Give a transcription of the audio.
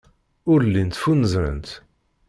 Ur llint ffunzrent.